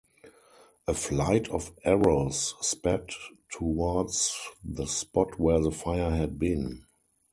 A flight of arrows sped towards the spot where the fire had been.